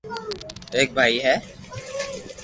ايڪ ڀائي ھي